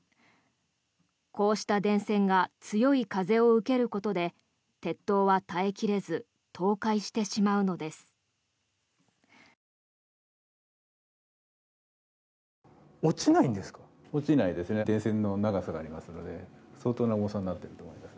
こうした電線が強い風を受けることで鉄塔は耐え切れず倒壊してしまうのです。